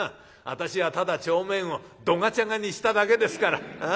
私はただ帳面をどがちゃがにしただけですから。